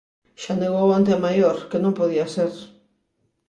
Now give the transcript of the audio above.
Xa negou onte a maior, que non podía ser.